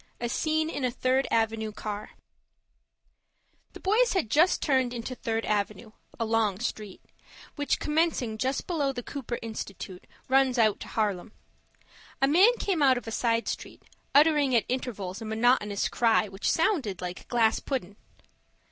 A SCENE IN A THIRD AVENUE CAR The boys had turned into Third Avenue, a long street, which, commencing just below the Cooper Institute, runs out to Harlem. A man came out of a side street, uttering at intervals a monotonous cry which sounded like "glass puddin'."